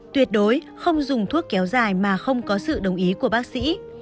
tuyệt đối không dùng thuốc kéo dài mà không có sự đồng ý của bác sĩ